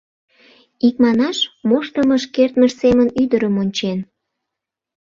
Икманаш, моштымыж-кертмыж семын ӱдырым ончен.